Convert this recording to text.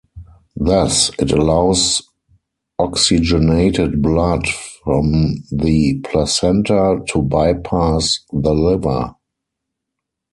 Thus, it allows oxygenated blood from the placenta to bypass the liver.